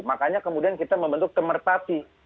makanya kemudian kita membentuk kemerpati